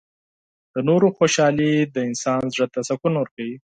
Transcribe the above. • د نورو خوشحالي د انسان زړۀ ته سکون ورکوي.